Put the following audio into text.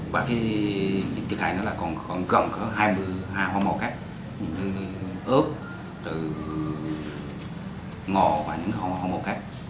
và cái cây hành nữa là gần có hai mươi hai hoa màu cắt như ớt từ ngọ và những hoa màu cắt